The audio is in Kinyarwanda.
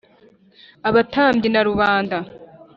abatambyi na rubanda